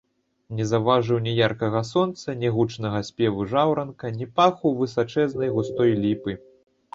Не заўважыў ні яркага сонца, ні гучнага спеву жаўранка, ні паху высачэзнай густой ліпы.